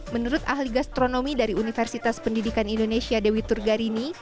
menurut ahli gastronomi dari universitas pendidikan indonesia dewi turgarini